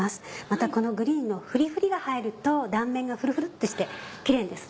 またこのグリーンのフリフリが入ると断面がフルフルってしてキレイです。